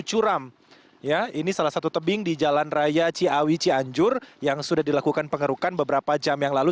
curam ya ini salah satu tebing di jalan raya ciawi cianjur yang sudah dilakukan pengerukan beberapa jam yang lalu